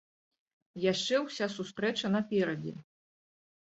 Яшчэ ўся сустрэча наперадзе.